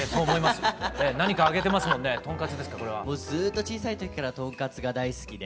もうずっと小さい時からとんかつが大好きで。